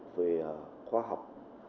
về khoa học